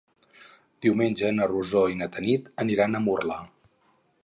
Diumenge na Rosó i na Tanit aniran a Murla.